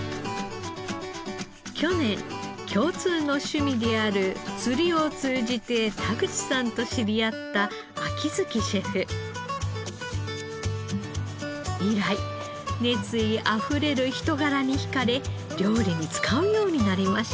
去年共通の趣味である釣りを通じて田口さんと知り合った秋月シェフ。以来熱意あふれる人柄に引かれ料理に使うようになりました。